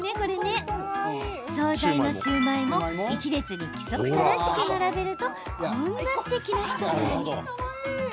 総菜のシューマイも１列に規則正しく並べるとこんなにすてきな一皿に。